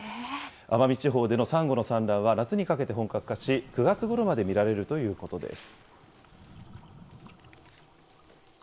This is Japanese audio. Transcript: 奄美地方でのサンゴの産卵は、夏にかけて本格化し、９月ごろまで見られるということです。